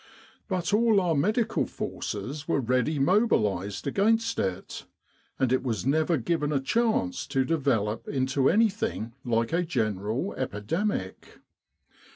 But all our Medical forces were ready mobilised against it, and it was never given a chance to develop into anything like a general epidemic.